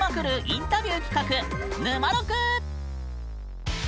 インタビュー企画「ぬまろく」！